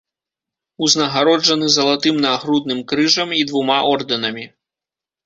Узнагароджаны залатым нагрудным крыжам і двума ордэнамі.